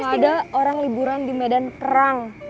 gak ada orang liburan di medan perang